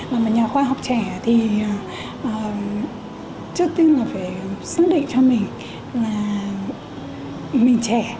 và một nhà khoa học trẻ thì trước tiên là phải xác định cho mình là mình trẻ